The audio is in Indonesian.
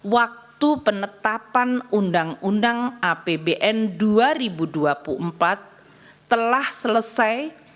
waktu penetapan undang undang apbn dua ribu dua puluh empat telah selesai